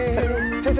先生